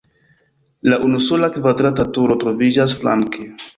La unusola kvadrata turo troviĝas flanke.